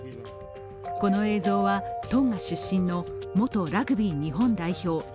この映像は、トンガ出身の元ラグビー日本代表